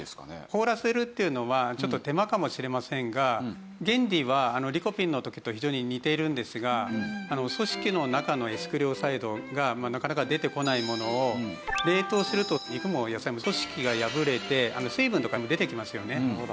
凍らせるっていうのはちょっと手間かもしれませんが原理はリコピンの時と非常に似ているんですが組織の中のエスクレオサイドがなかなか出てこないものを冷凍すると肉も野菜も組織が破れて水分とかも出てきますよね。